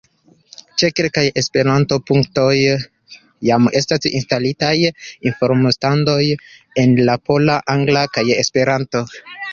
Ĉe kelkaj Esperanto-punktoj jam estas instalitaj informstandoj en la pola, angla kaj Esperanto.